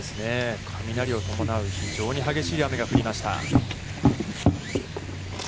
雷を伴う、非常に激しい雨が降りました。